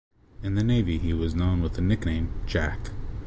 In the navy he was known with the nickname “Jack.”